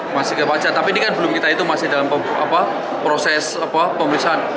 masih ke pajak tapi ini kan belum kita itu masih dalam proses pemeriksaan